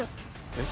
えっ？